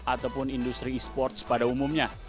ataupun industri esports pada umumnya